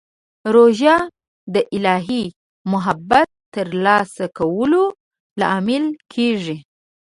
روژه د الهي محبت ترلاسه کولو لامل کېږي.